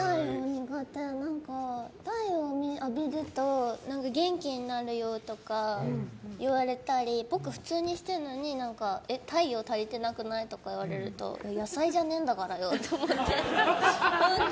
太陽を浴びると元気になるよとか言われたり僕、普通にしているのに太陽足りてなくないとか言われると野菜じゃねえんだからよと思って。